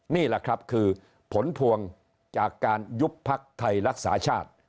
นี่แหละครับคือผลพวงจากการยุบพักไทยรักษาชาติ